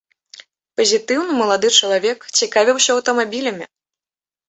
Пазітыўны малады чалавек, цікавіўся аўтамабілямі.